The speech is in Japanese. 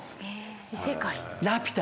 異世界。